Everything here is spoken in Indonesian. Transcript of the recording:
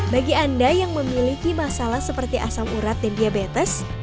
bagi anda yang memiliki masalah seperti asam urat dan diabetes